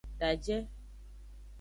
Daje.